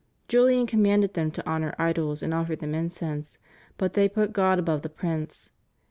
Julian commanded them to honor idols and offer them incense, but they put God above the prince.